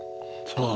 そう。